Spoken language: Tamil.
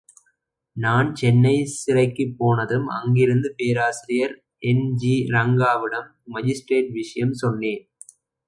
நான் சென்னை சிறைக்குப் போனதும் அங்கிருந்த பேராசிரியர் என்.ஜி.ரங்காவிடம் மாஜிஸ்ட்ரேட் விஷயம் சொன்னேன்.